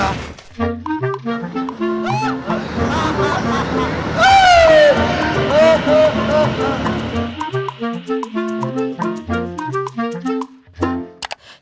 โอ้โฮ